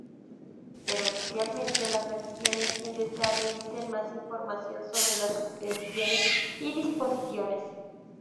Pero socialmente las acciones indeseables dicen más información sobre las intenciones y disposiciones.